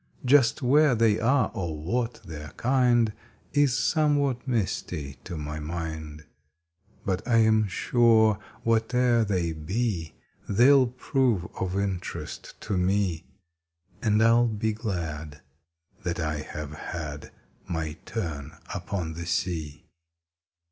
Just where they are or what their kind Is somewhat misty to my mind; But I am sure whate er they be They ll prove of interest to me, And I ll be glad That I have had My turn upon the sea!